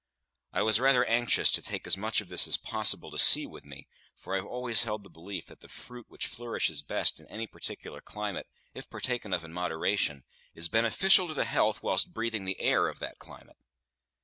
I was rather anxious to take as much of this as possible to sea with me, for I have always held the belief that the fruit which flourishes best in any particular climate, if partaken of in moderation, is beneficial to the health whilst breathing the air of that climate.